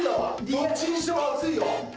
どっちにしても熱いよ。